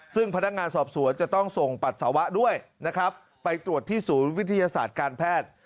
ซึ่งพนักงานสอบสวนจะต้องส่งปัสสาวะด้วยนะครับไปตรวจที่ศูนย์วิทยาศาสตร์การแพทย์